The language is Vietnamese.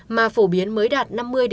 mà phổ biến mới đạt năm mươi bảy mươi